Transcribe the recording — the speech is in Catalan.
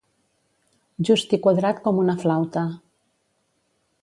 Just i quadrat com una flauta.